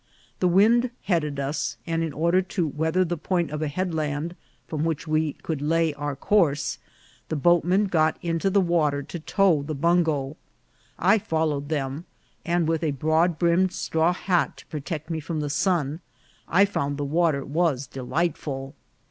The wind headed us, and in order to weath er the point of headland from which we could lay our course, the boatmen got into the water to tow the bungo. I followed them, and with a broad brimmed straw hat to protect me from the sun, I found the water was de lightful.